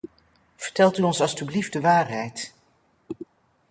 Vertelt u ons alstublieft de waarheid.